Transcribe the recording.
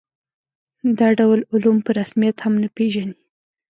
دا ډول علوم په رسمیت هم نه پېژني.